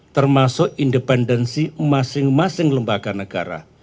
termasuk independensi masing masing lembaga negara